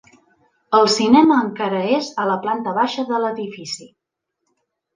El cinema encara és a la planta baixa de l'edifici.